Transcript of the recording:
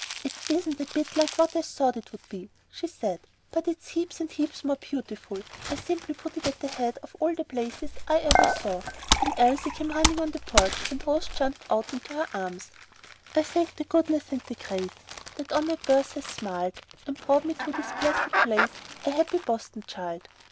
"It isn't a bit like what I thought it would be," she said; "but it's heaps and heaps more beautiful. I simply put it at the head of all the places I ever saw." Then Elsie came running on to the porch, and Rose jumped out into her arms. "I thank the goodness and the grace That on my birth has smiled, And brought me to this blessed place A happy Boston child!"